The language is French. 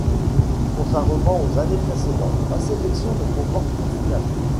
Contrairement aux années précédentes, la sélection ne comporte qu'une finale.